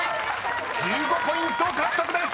［１５ポイント獲得です］